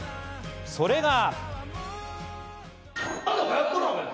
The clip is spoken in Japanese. それが。